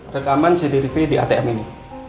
rekaman cd review di atm ini